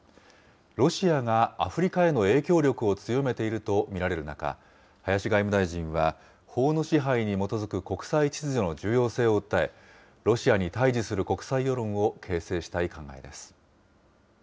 ロシアがアフリカへの影響力を強めていると見られる中、林外務大臣は法の支配に基づく国際秩序の重要性を訴え、ロシアに対じする国際世論を形成したい考えです。